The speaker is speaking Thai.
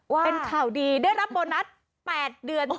เป็นข่าวดีได้รับโบนัส๘เดือน